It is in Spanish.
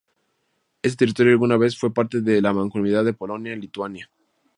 Ese territorio alguna vez fue parte de la Mancomunidad de polonia–lituania.